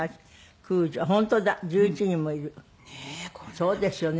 そうですよね。